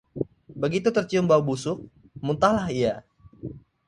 begitu tercium bau busuk, muntahlah ia